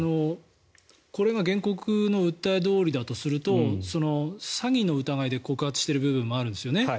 これが原告の訴えどおりだとすると詐欺の疑いで告発している部分もあるんですよね。